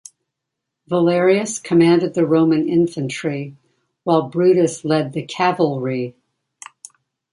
Valerius commanded the Roman infantry, while Brutus led the cavalry.